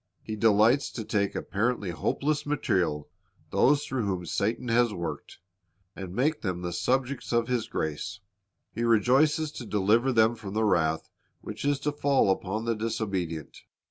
He delights to take apparently hopeless material, those through whom Satan has worked, and make them the subjects of His grace. He rejoices to deliver them from the wrath which is to fall upon the disobedient.